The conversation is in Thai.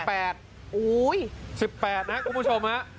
๑๘นะคุณผู้ชม